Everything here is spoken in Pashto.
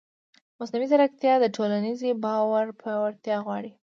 مصنوعي ځیرکتیا د ټولنیز باور پیاوړتیا غواړي.